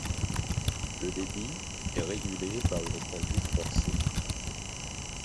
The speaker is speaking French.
Le débit est régulé par une conduite forcée.